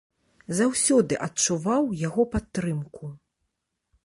Заўсёды адчуваў яго падтрымку.